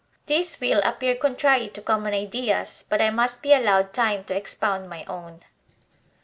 This will appear contrary to common ideas, but I must be allowed time to expound my own.